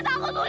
ibu angkat dulu